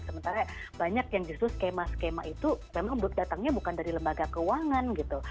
sementara banyak yang justru skema skema itu memang datangnya bukan dari lembaga keuangan gitu